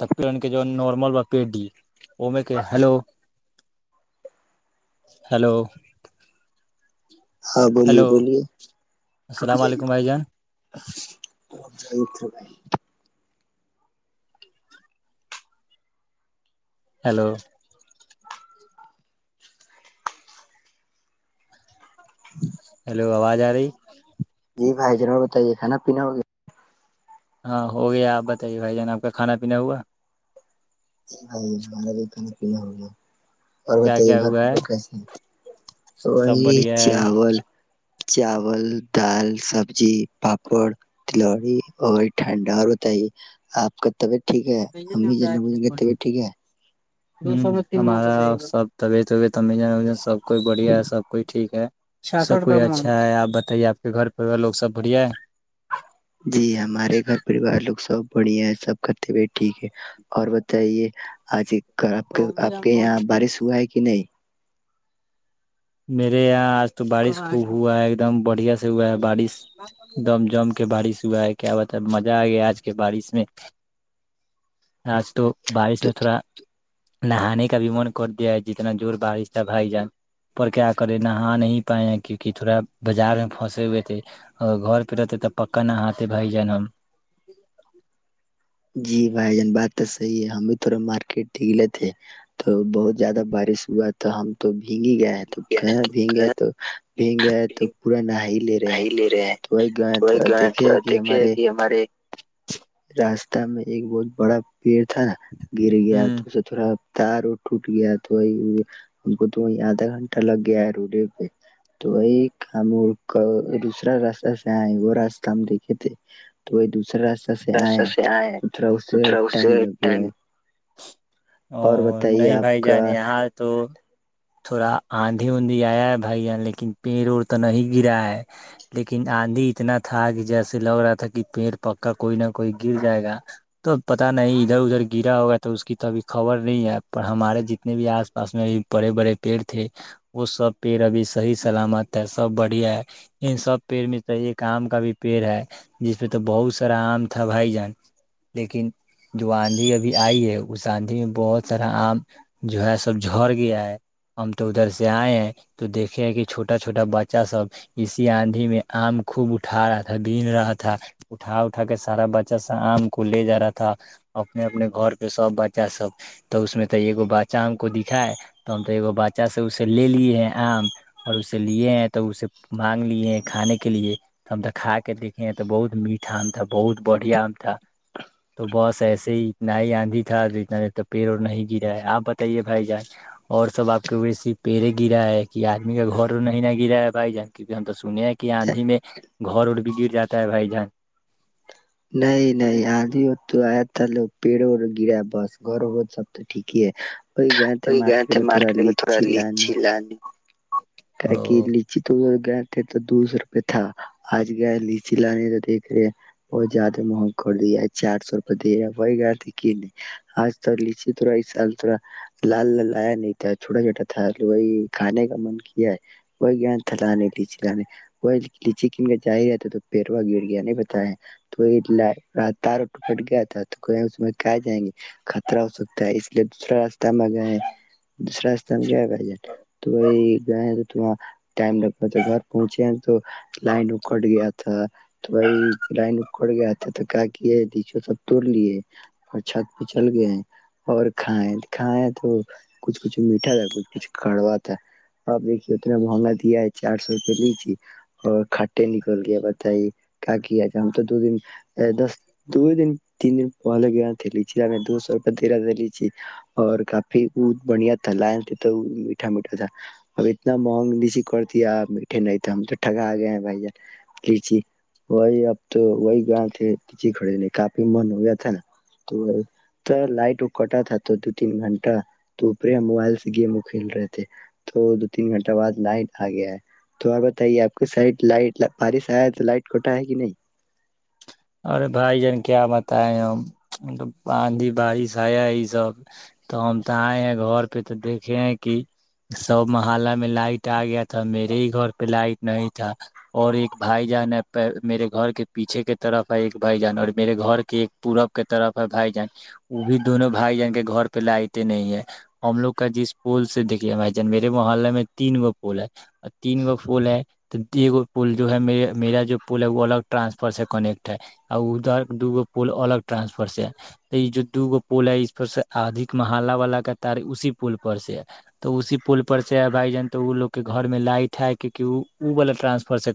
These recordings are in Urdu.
تک ان کے جو نارمل پیٹ دی وہ میں کہ ہلو ہلو ہاں بولیے بولیے السلام جے علیکم بھائی جان بھائی ہلو ج ہیلو آواز آ رہی جی بھائی ج بتائیے کھانا پینا ہو ہاں ہو گیا آپ بتائیے بھائی جان آپ کا کھانا پینا ہوا ہ بار ب پانی ج اور کیا بتائیے کیا گھر پ ہوا ہے لوگ کیسے ہیں س سب گی بڑھیا ہے چاول چاول دال سبزی پاپڑ تلوڑی اور ٹھنڈا اور بت ہی آپ کا طبیعت ٹھیک ہے ہم بھی ج ن ب گتے ٹھیک ہے ہمارا سب طبیعت وبیت ان اجن سب کوئی بڑھیا ہے سب کوئی ٹھیک ہے سب کوئی اچھا ہے آپ بتائیے آپ کے گھر پ لوگ سب بڑھیا ہے جی ہمارے گھر پریوار لوگ سب بڑھیا ہے سب کرتے ہوئے ٹھیک ہے اور بتائیے آج آپ آپ کے یہاں بارش ہوا ہے کہ نہیں میرے یہاں آج تو بارش خب ہوا ہے ایک دم بڑھیا سے ہوا ہے بارش ایک دم جم کے بارش ہوا ہے کیا بتا ہے مزہ آ گیا آج کے بارش میں آج تو بارش میں تھوڑا نہانے کا بھی من کر دیا ہے جتنا جوور بارش تھا بھائی جان پر کیا کریں نہا نہیں پائائےیں کیونکہ تھوڑا بازار میں پھنسے ہوئے تھے اور گھر پہ رہتے تو پکا نہاتے بھائی جن ہم جی بھائی جان بات تو صحیح ہے ہمد تھا مارکیٹ نگلے تھے تو بہت زیادہ بارش ہوا تو ہم تو بھیگ ہی گیا ہے تو کہاں بھیگ گیا تو بھیگ گیا ہے تو پورا نہاائی لے رہے ہیں تو وہی گ دیکھے کہ ہمارے راستہ میں ایک بہت بڑا پیڑ تھا گر گیا تو ہوں اسے تھوڑا تار ٹوٹ گیا تو وہ ہم کو تو وہ آدھا گھنٹہ لگ گیا ہے روڈے پہ تو وہی دوسرا راستہ سے آئے وہ راستہ ہم دیکھے تھے تو وہی دوسرا را سے آئے تو تھڑا اس سے ٹائم لگ گ او نہیں بھائی کا جان یہاں تو تھوڑا آندھی اندھی آیا ہے بھائی یہان لیکن پیڑ اڑ تو نہیں گرا ہے لیکن آندھی اتنا تھا کہ جیسے لگ رہا تھا کہ پیڑ پک کا کوئی نہ کوئی گر جائے گا تو پت نہیں ادھر ادھر گرا ہوگا تو اس کی تو ابھی خبر نہیں ہے پر ہمارے جتنے بھی آس پاس میں بھی بڑے بڑے پیڑ تھے وہ سب پیڑ ابھی صحیح سلامت ہے سب بڑھیا ہے ان سب پیڑ میں تو ایک آم کا بھی پیڑ ہے جس پہ تو بہت سرا آم تھا بھائی جان لیکن جو آندھی ابھی آئی ہے اس آندھی میں بہت سارا آم جو ہے سب جڑ گیا ہے ہم تو ادھر سے آئے ہیں تو دیکھے کہ چھوٹا چھوٹا بچہ سب اسی آندھی میں آم خوب اٹھا رہا تھا بین رہا تھا اٹھا اٹھا کے سارا بچہ سب آم کو لے جا رہا تھا اپنے اپنے گھر پہ سب بچہ سب تو اس میں تو یہ باچام کو دکھا تو ہم تو بچا سے اسے لے لیے ہیں آم اور اسے لیے ہیں تو اسے مانگ لیے کھانے کے لیے ہم تو کھا کے دیکھے ہیں تو بہت میٹھ آم تھا بہت بڑھیا آم تھا تو بس ایسے ہی اتنا ہی آندھی تھا جتنا دیر تو پڑ اور نہیں گرا ہے آپ بتائیے بھائی جان اور سب آپ کے ویسسی پیڑے گرا ہے کہ آدمی کا گھر ا نہیں ن گرا ہے بھائی جان کیونکہ ہم تو سنے ہیں کہ آندھی میں گھر اور بھی گر جاتا ہے بھائی جان نہیں نہیں آج ہی ہو تو آیا تھا لوگ پیڑ گرا بس گھر و ب سب تو ٹھیک ہی ہے وہی گئے تھے مارکیٹ میں تھوڑا لچی لانی کر کہ لیچی تو گئے تھے تو دو سو روپے تھا آج گیا لیچی لانے تو دیکھ رہے ہیں بہت زیادہ مہنگ ک دیا چار سو روپئے دے رہے وہی گئے تھے کہ نہیں آج تو لیچی تھڑا اس سال تھڑا لال لایا نہیں تھا چھوٹا چھوٹا تھا وہی کھانے کا من کیا وہ گ تھاچی ل لچی کن کے جاہ رہتا تو پیروا گر گیا نہیں پتا ہے تو تار ٹکٹ گیا تھا تو اس میں کہ جائیں گے خطرہ ہو سکتا ہے اس لیے دوسرا را م گ ہے دوسرا استان گیا پ جے تو وہی وہاں ٹائم لگا تھا گھر پہنچے ہیں تو لائن اکٹ گیا تھا تو وہی لائن اکڑ گیا تھا تو کا کہ یہ نچو سب توڑ لیے اور چھت پہ چل گئے ہیں اور کھیں کھائے تو کچھ کچھ میٹھا تھا کچھ کچھ کڑوا تھا اب دیکھی اتھگا دیا چار سو روپے لیجی اور کھٹے نکل گیا بتائیے کیا کیا ہم تو دو د دس دو دن تین دن پہلے گئے تھےچ دو سو روپ دیرا دے ت اور کافی بڑھیا تھا لن ت میٹھا میٹھا تھا اب اتنا مہنگ نچی کر دیا میٹھے نہیں تھ ہم تو ٹھگا آ گئے ہیں بھائی جان لچی وہی اب تو وہی گاؤں تھے کڑے کافی من ہو گیا تھا نا تو لائٹ وہ کٹا تھا تو دو تین گھنٹہ تو اپرے ہم موبائل سے گیم کھیل رہے تھے تو تین گھنٹہ بعد لائٹ آ گیا ہے تو آپ بتائیے آپ کی سائڈ لائٹ بارس ہے تو لائٹ کٹا ہے کہ نہیں ارے بھائی جان کیا بتائے ہم آندھی بارش آیا یہ سب تو ہم تو آئے ہیں گھر پہ تو دیکھے ہیں کہ سب محلہ میں لائٹ آ گیا تھا میرے ہی گھر پہ لائٹ نہیں تھا اور ایک بھائی جان ہے میرے گھر کے پیچھے کے طرف ہے ایک بھائی جان اور میرے گھر کے ایک پورب کے طرف ہے بھائی جان وہ بھی دونوں بھائی جان کے گھر پہ لائیتے نہیں ہے ہم لوگ کا جس پل سے دیکھیے بھائی جان میرے محلے میں تین گو پل ہے اور تین گو پل ہے تو یہ پل جو ہے میرا جو پل ہے وہ الگ ٹرانسفر سے کنیکٹ ہے اور ادھر دوگو پول الگ ٹرانسفر سے ہے یہ جو دوگو پول ہے اس پر سے ادک محالا والا کا تار اسی پول پر سے ہے تو اسی پول پر سے بھائی جان تو وہ لوگ کےےھر میں لائٹ ہے کیونکہ ا والا ٹرانسفر سے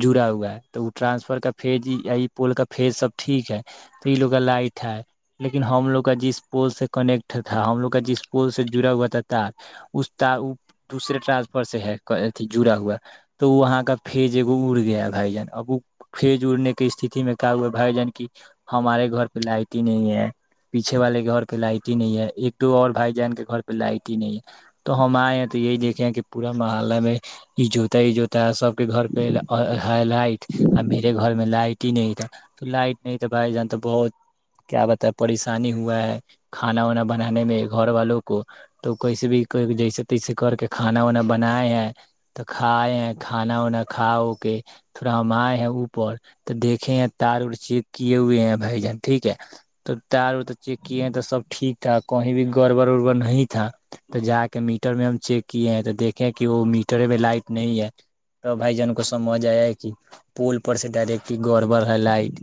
جڑا ہوا ہے تو وہ ٹرانسفر کا پ [unintelligible] یا یہ پول کا فیز سب ٹھیک ہے تو یہ لوگ کا لائٹ ہے لیکن ہم لوگ کا جس پول سے کنیکٹ تھا ہم لوگ کا جس پول سے جڑا ہوا تھا تار اس تار وہ دوسرے ٹرانسفر سے ہے جڑا ہوا تو وہ وہاں کا فیج ایگو اڑ گیا ہے بھائی جان اب وہ فیج اڑنے کا [unintelligible] استتی میں کیا ہوا بھائی جان کی ہمارے گھر پہ لائٹ ہی نہیں ہے پیچھے والے کے گھر پہ لائٹ ہی نہیں ہے ایک دو اور بھائی جان کے گھر پہ لائٹ ہی نہیں ہے تو ہم آئے ہیں تو یہی دیکھے کہ پورا محلہ میں یہ جوتا ہی جوتا سب کے گھر پہ لائٹ اور میرے گھر میں لائٹ [unintelligible] نہیں تھا تو لائٹ نہیں تھا بھائی جان تو بہت کیا بتا ہے پریشانی ہوا ہے کھانا وانا بنانے میں گھر والوں کو تو کوس بھی جیسے تیسے کر کے کھانا وانا بنائے ہیں تو کھائے ہیں کھانا وانا کھا ہو کے تھوڑا ہم آئے ہیں اوپر [unintelligible] تو دیکھے ہیں تار اار چیک کیے ہوئے ہیں بھائی جان ٹھیک ہے تو تار وار ت چیک کیے ہیں تو سب ٹھیک تھا کہیں بھی گڑبڑ اربڑ نہیں تھا تو جا کے میٹر میں ہم چیک کیے ہیں تو دیکے کہ وہ میٹر میں لائٹ نہیں ہے تو بھائی جان کو سمجھ آیا ہے کہ پول پر سے ڈائریکٹ [unintelligible] گڑبڑ ہے لائٹ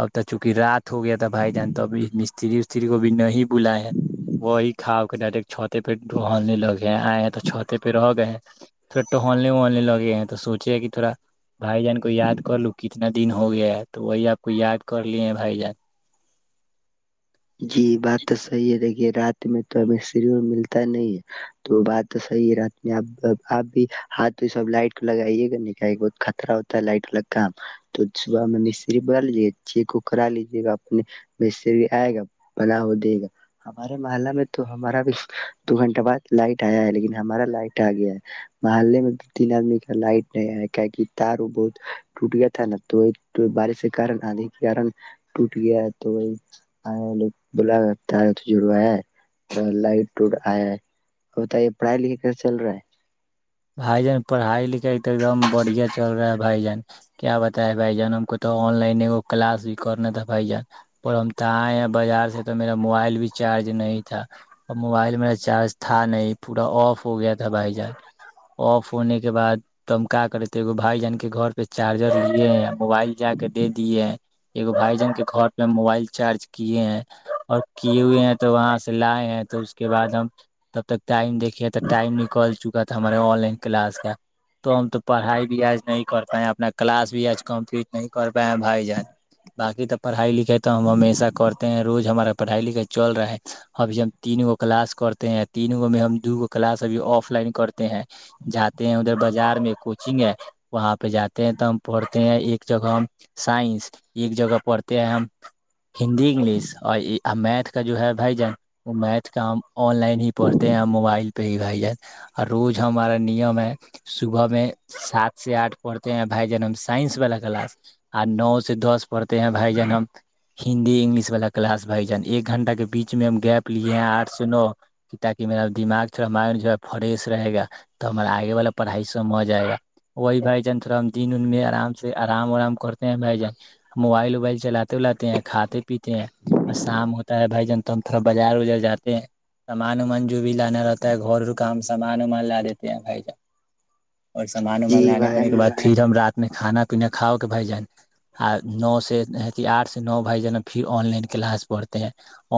اب تو چونکہ رات ہوگیا تھا بھائی جان تو ابھی استری اسری کو بھی نہیں بلا ہیں وہی کھاؤ کے ڈائریکٹ چھتے پہ ٹہلنے لگے آئے ہیں تو چھوتے پہ رہ گئے ہیں تھوڑا ٹہلنے وہلنے لگے ہیں تو سوچے ہیں کہ تھوڑا بھائی جان کو یاد کر لوں ک [unintelligible] کتنا دن ہو گیا ہے تو وہی آپ کو یاد کر لیے ہیں بھائی جان جی بات تو صحیح ہے دیکھیے رات میں تو مستری ملتا نہیں ہے تو بات تو صحیح ہے رات میں ا آپ بھی ہاتھ سب لائٹ کو لگائیے گا ن کہ بہت خطرہ ہوتا ہے لائٹ والا کام تو صبح میں مستری ب لیجے گا چیک کو کرا لیجے گا اپنے مستری آئے گا بلا ہو دے گا ہمارے محلہ میں تو ہمارا بھی دو گھنٹہ بعد لائٹ آیا ہے لیکن ہمارا لائٹ آ گیا ہے محلے میں دو تین آدمی کا لائٹ نہیں آیا کی کہ تار وہ بہت ٹوٹ گیا تھا نا تو بارش کے ک آدھی کے کن ٹوٹ گیا ہے تو وہ [unintelligible] بلا ت تو جڑوا لائٹ ٹٹ آیا ہے اور بتائیے پڑھائی لکھے کیسے چل رہا ہے [unintelligible] بھائی جان پڑھائی لکھائی ایک دم بڑھیا چل رہا ہے بھائی جان کیا بتائے بھائی جان ہم کو تو آن لائن وہ کلاس بھی کرنا تھا بھائی جان اور ہم تو آئے ہیں بازار سے تو میرا موبائل بھی چارج نہیں تھا اور موبائل میرا چارج تھا نہیں پورا آف ہو گیا تھا بھائی جان آف ہونے کے بعد تو ہم کیا کرے تھے دیکھو بھائی جان کے گھر پہ چارجر لیے ہیں ہم موبائل جا کے دے دیے ہیں ہم بھائی جان کے گھر پہ موبائل چارج کیے ہیں اور کے ہوئے ہیں تو وہاں سے لائے ہیں تو اس کے بعد ہم تب تک ٹائم دیکھے تو ٹائم نکال چکا تھا ہمارے آن لائن کلاس کا تو ہم تو پڑھائی بھی آج نہیں کر پائے اپنا کلاس بھی آج کمپلیٹ نہیں کر پائے ہیں بھائی جان باقی تو پڑھائی لکھائی کو تو ہم ہمیشہ کرتے ہیں روز ہمارا پڑھائی لکھائی چل رہا ہے ابھی ہم تینوں کلاس کرتے ہیں تینوں میں ہم دو کا کلاس اب آف لائن کرتے ہیں جاتے ہیں ادھر بازار میں کوچنگ ہے وہاں پہ جاتے ہیں تو ہم پڑھتے ہیں ایک جگہ ہم سائنس ایک جگہ پڑھتے ہیں ہم ہندی انگلش اور میتھ کا جو ہے بھائی جان وہ میتھ کام ہم لائن ہی پڑھتے ہیں موبائل پہ ہی بھائی جان اور روز ہمارا نیم ہے صبح میں سات سے آٹھ پڑھتے ہیں بھائی جان ہم سائنس والا کلاس اور نو سے دس پڑھتے ہیں بھائی جان ہم ہندی انگلش والا کلاس بھائی جان ایک گھنٹہ کے بیچ میں ہم گیپ لیے ہیں آٹھ سے نو تاکہ میرا دماغ تھوڑا مائنڈ جو ہے فریش رہے گا تو ہمارا آگے والا پڑھائی س مج آئے گا وہی بھائی جان تھوڑا ہم دن انن میں آرام سے آرام ورام کرتے ہیں بھائی جن موبائل ووبائل چلاتے ولاتے ہیں کھاتے پیتے ہیں اور شام ہوتا ہے بھائی جان تو ہم تھوڑا بازار وزار جاتے ہیں سامان وامان جو بھی لانا رہتا ہے گ کا ہم سامان ومان لا دیتے ہیں بھائی جان اور سامان جی وامان لانے بھائی ہونے کے بعد پھر ہم رات اپنے کھانا پینا کھاؤ کے بھائی جان نو سے آٹھ سے نو بھائی جان پھر آن لائن کلاس پڑھتے ہیں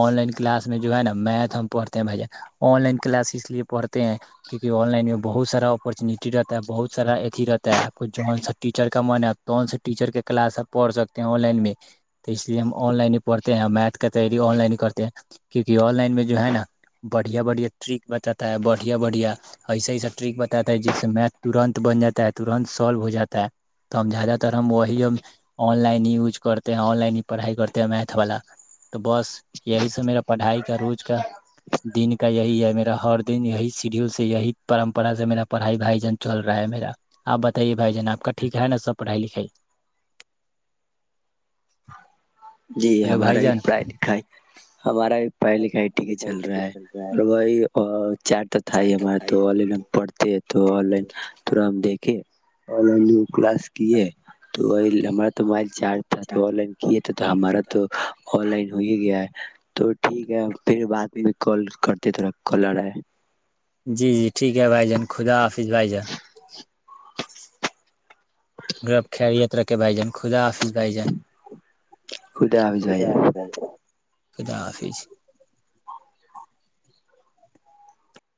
آن لائن کلاس میں جو ہے نا میتھ ہم پڑھتے ہیں بھائی جان آن لائن کلاس اس لیے پڑھتے ہیں کیوںکہ آن لائن میں بہت سارا اپارچونیٹی رہتا ہے بہت سارا اھی رہتا ہے آپ کو جن سا ٹیچر کا من ہے تون سا ٹیچر کے کلاس آپ پڑھ سکتے ہیں آن لائن میں تو اس لیے ہم آن لائن ہی پڑھتے ہیں میتھ کا تیاری آن لائن ہی کرتے ہیں کیونکہ آن لائن میں جو ہے نا بڑھیا بڑھیا ٹریک بتاتے تا ہے بڑھیا بڑھیا ایسا ایسا ٹرک بتاتا ہے جس سے میتھ ترنت بن جاتا ہے ترنت سالو ہو جاتا ہے تو ہم زیادہ تر ہم وہی آن لائن ہی یوز کرتے ہیں آن لائن ہی پڑھائی کرتے ہیں میتھ والا تو بس یہی سب میرا پڑھائی کا روز کا دن کا یہی ہے میرا ہر دن یہی شیڈیول سے یہی پرمپرا سے میرا پڑھائی بھائی جان چل رہا ہے میرا آپ بتائیے بھائی جان آپ کا ٹھیک ہے نا سب پڑھائی لکھائی جی ہلو ہمارا بھائی بھی جان پڑھائی لکھائی ہمارا پڑھائی لکھائی بھی ٹھیک ہی چل رہا ہے اور وہی چارٹ تھا ہی ہمارا تو آن لائن ہم پڑھتے ہیں تو آن لائن تھوڑا ہم دیکھ اور جو [unintelligible] کلاس کیے تو ہمارا تو موبائل چارج تھا تو آن لائن کیے تو ہمارا تو آن لائن ہو ہی گ گیا تو ٹھیک ہے پھر بعد میں کل کر تھرا کلر ہے جی جی ٹھیک ہے بھائی جان خدا حافظ بھائی جان گرب خیریت رکھے بائی جان خدا بائی جائے خدا حافظ خ بھائی آ جان خدا حافظ